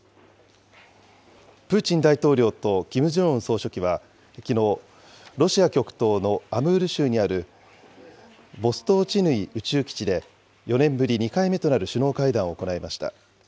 プーチン大統領とキム・ジョンウン総書記はきのう、ロシア極東のアムール州にある、ボストーチヌイ宇宙基地で、４年ぶり２回目となる首脳会談を行いました。